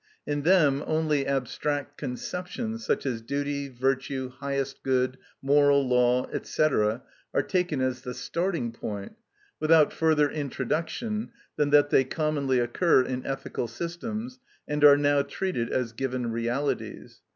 In them only abstract conceptions, such as duty, virtue, highest good, moral law, &c., are taken as the starting point, without further introduction than that they commonly occur in ethical systems, and are now treated as given realities.